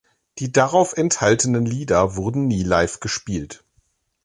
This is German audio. Die darauf enthaltenen Lieder wurden nie live gespielt.